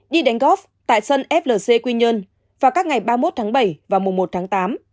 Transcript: đi đánh góp tại sân flc quy nhơn vào các ngày ba mươi một tháng bảy và mùa một tháng tám